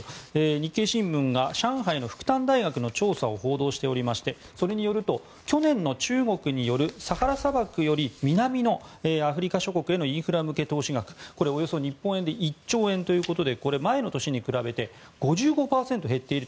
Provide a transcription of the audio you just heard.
日経新聞が上海の復旦大学の調査を報道しておりましてそれによると去年の中国によるサハラ砂漠より南のアフリカ諸国のインフラ向け投資額日本円でおよそ１兆円ということで前の年に比べて５５％減っている。